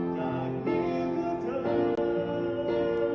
ขอบคุณครับ